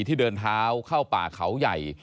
ที่เดินเท้าเข้าป่าเขาใหญ่